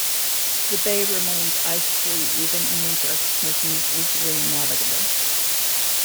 The bay remains ice-free even in winter, making it easily navigable.